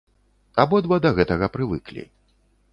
Абодва да гэтага прывыклі.